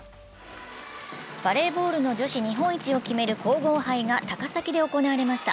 バレーボールの女子日本一を決める皇后杯が高崎で行われました。